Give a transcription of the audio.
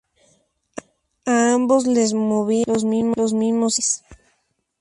A ambos les movían los mismos ideales.